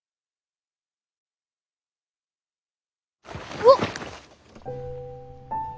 うわっ！